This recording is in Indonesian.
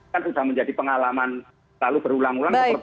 kan sudah menjadi pengalaman lalu berulang ulang seperti itu